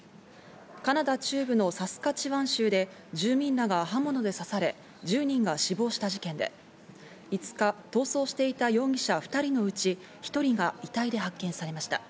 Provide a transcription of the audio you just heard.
カナダ中部のサスカチワン州で住民らが刃物で刺され、１０人が死亡した事件で、５日、逃走していた容疑者２人のうち１人が遺体で発見されました。